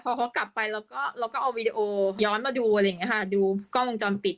พอเขากลับไปเราก็เราก็เอาวีดีโอย้อนมาดูอะไรอย่างนี้ค่ะดูกล้องวงจรปิด